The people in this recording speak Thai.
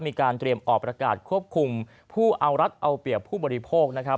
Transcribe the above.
มีการเตรียมออกประกาศควบคุมผู้เอารัฐเอาเปรียบผู้บริโภคนะครับ